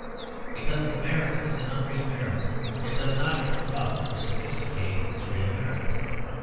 Because the merit is an unreal merit, it does not corrupt or sophisticate his real merits.